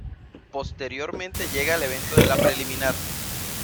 Posteriormente llega el evento de la Preliminar.